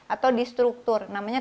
atau di struktur namanya